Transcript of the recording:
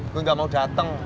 gue gak mau dateng